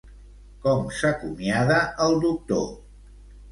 Com s'acomiada el doctor?